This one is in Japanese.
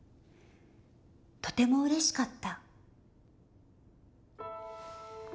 とてもうれしかった！」。